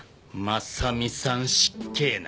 真実さん失敬な。